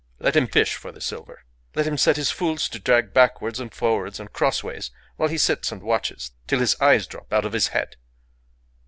Let him fish for the silver. Let him set his fools to drag backwards and forwards and crossways while he sits and watches till his eyes drop out of his head."